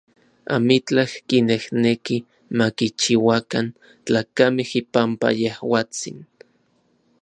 Amitlaj kinejneki ma kichiuakan tlakamej ipampa yejuatsin.